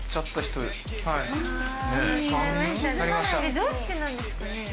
どうしてなんですかね？